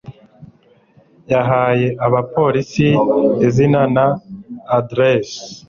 Yahaye abapolisi izina na aderesi.